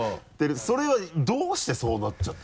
それはどうしてそうなっちゃった？